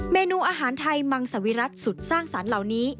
เมนูอาหารไทยมังสวิรัติสุดสร้างสรรค์เหล่านี้